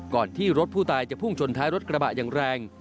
ที่รถผู้ตายจะพุ่งชนท้ายรถกระบะอย่างแรง